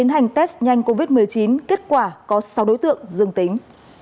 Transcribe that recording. hành test nhanh covid một mươi chín kết quả có sáu đối tượng dương tính